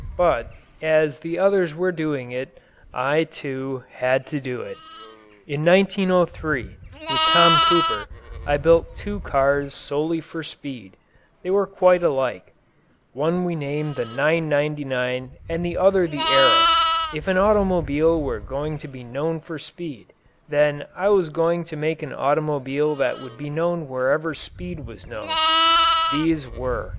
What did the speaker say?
But, as the others were doing it, I, too, had to do it. In 1903, with Tom Cooper, I built two cars solely for speed. They were quite alike. One we named the "999" and the other the "Arrow." If an automobile were going to be known for speed, then I was going to make an automobile that would be known wherever speed was known. These were.